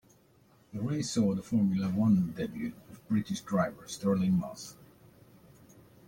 The race saw the Formula One debut of British driver Stirling Moss.